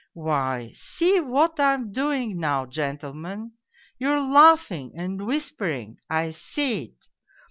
Why, see what I am doing now, gentlemen ! You are laughing and whisper ing I see it